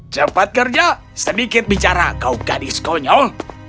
cepat kerja sedikit bicara kau gadis konyol